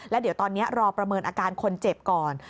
แล้วเดี๋ยวตอนนี้รอประเมินอาการคนเจ็บก่อน